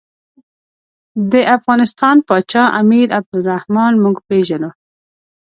د افغانستان پاچا امیر عبدالرحمن موږ پېژنو.